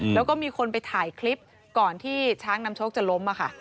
แล้วก็มีคนไปถ่ายคลิปก่อนที่ช้างนำโชคจะล้มค่ะ